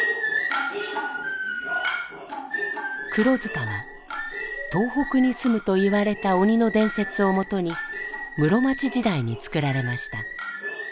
「黒塚」は東北にすむと言われた鬼の伝説をもとに室町時代に作られました。